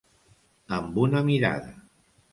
Amb una mirada.